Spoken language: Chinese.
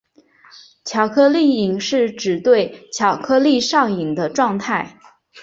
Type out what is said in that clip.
巧克力瘾是指对巧克力上瘾的状态。